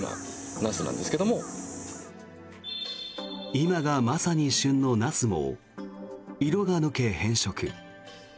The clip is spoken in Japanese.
今がまさに旬のナスも色が抜け、変色。